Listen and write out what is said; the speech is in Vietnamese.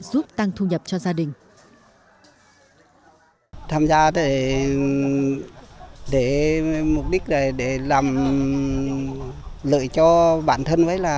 giúp tăng thu nhập cho gia đình